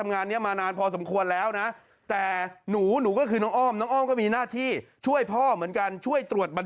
อันนี้เขาเล่าให้ฟังใช่มั้ย